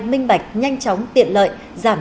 minh bạch nhanh chóng tiện lợi giảm